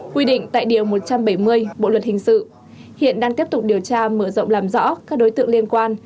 quy định tại điều một trăm bảy mươi bộ luật hình sự hiện đang tiếp tục điều tra mở rộng làm rõ các đối tượng liên quan